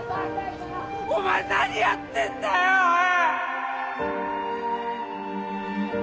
お前何やってんだよおい！